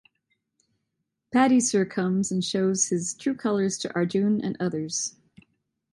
Paddy sir comes and shows his true colors to Arjun and others.